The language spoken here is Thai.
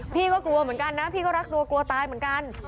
พี่ก็กลัวเหมือนกันนะพี่ก็รักตัวกลัวกลัวตายเหมือนกัน